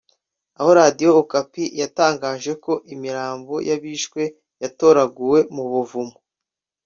aho Radio Okapi yatangaje ko imirambo y’abishwe yatoraguwe mu buvumo